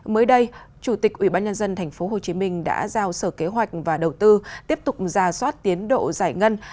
mới đây chủ tịch ubnd tp hcm đã giao sở kế hoạch và đầu tư tiếp tục ra soát tiến độ giải ngân